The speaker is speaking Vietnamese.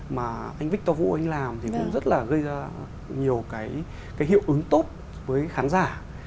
mà anh victor vu anh làm thì cũng rất là gây ra nhiều cái hiệu ứng tốt với khán giả